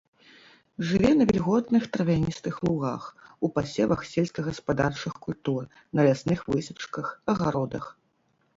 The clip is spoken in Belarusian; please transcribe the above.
Жыве на вільготных травяністых лугах, у пасевах сельскагаспадарчых культур, на лясных высечках, агародах.